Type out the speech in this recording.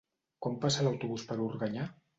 Quan passa l'autobús per Organyà?